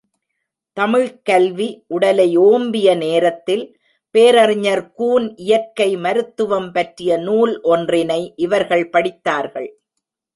தமிழ்க் கல்வி உடலை ஓம்பிய நேரத்தில் பேரறிஞர் கூன் இயற்கை மருத்துவம் பற்றிய நூல் ஒன்றினை இவர்கள் படித்தார்கள்.